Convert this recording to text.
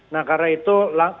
nah karena itu